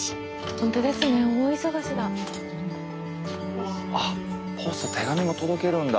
ホントですね大忙しだ。